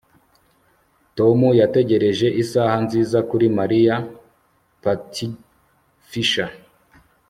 Tom yategereje isaha nziza kuri Mariya patgfisher